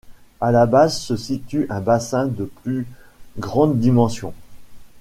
À la base se situe un bassin de plus grande dimension.